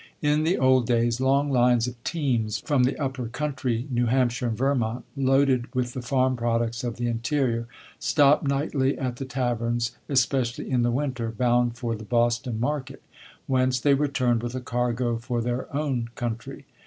In the old days, long lines of teams from the upper country, New Hampshire and Vermont, loaded with the farm products of the interior, stopped nightly at the taverns, especially in the winter, bound for the Boston market, whence they returned with a cargo for their own country.